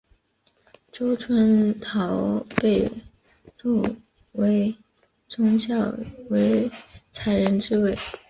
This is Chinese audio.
周春桃被宋徽宗授为才人之位。